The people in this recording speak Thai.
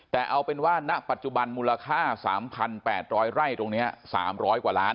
แต่เอาเป็นว่าณปัจจุบันมูลค่า๓๘๐๐ไร่ตรงนี้๓๐๐กว่าล้าน